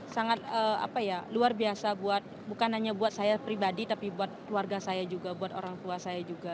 sangat apa ya luar biasa buat bukan hanya buat saya pribadi tapi buat keluarga saya juga buat orang tua saya juga